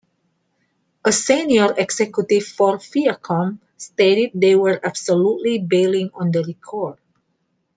A senior executive for Viacom stated they were absolutely bailing on the record.